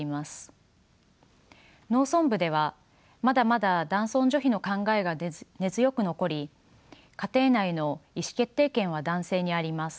農村部ではまだまだ男尊女卑の考えが根強く残り家庭内の意思決定権は男性にあります。